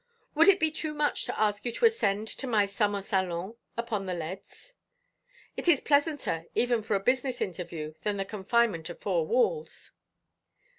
"Would it be too much to ask you to ascend to my summer salon upon the leads? It is pleasanter even for a business interview than the confinement of four walls."